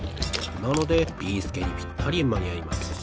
なのでビーすけにぴったりまにあいます。